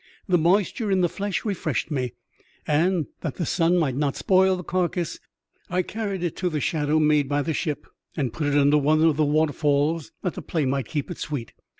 The moisture in the flesh refreshed me, and, that the sun might not spoil the carcase, I carried it to the shadow made by the ship and put it under one of the waterfalls that the play might keep it sweet.